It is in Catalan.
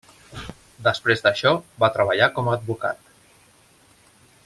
Després d'això, va treballar com a advocat.